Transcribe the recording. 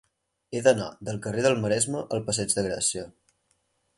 He d'anar del carrer del Maresme al passeig de Gràcia.